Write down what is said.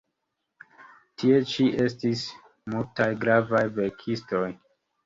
Tie ĉi estis multaj gravaj verkistoj.